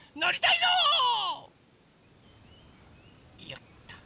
いよっと。